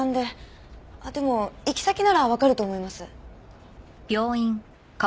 でも行き先ならわかると思います。